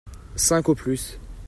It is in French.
Cinq au plus.